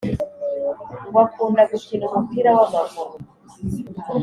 ngo akunda gukina umupira wamaguru